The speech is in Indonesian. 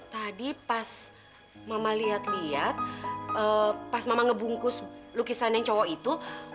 tadi pas mama liat liat pas mama ngebungkus lukisannya cowok itu